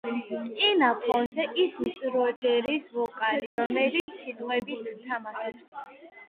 წინა ფონზე ისმის როჯერის ვოკალი, რომელიც სიტყვებით თამაშობს.